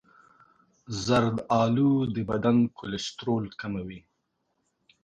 زردآلو د بدن کلسترول کموي.